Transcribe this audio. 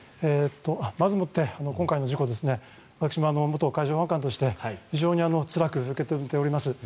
まずもって、今回の事故私も元海上保安官として非常につらく受け止めています。